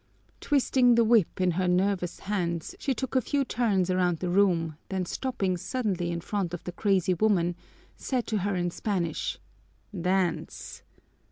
Twisting the whip in her nervous hands, she took a few turns around the room, then stopping suddenly in front of the crazy woman, said to her in Spanish, "Dance!"